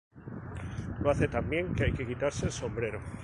Lo hace tan bien que hay que quitarse el sombrero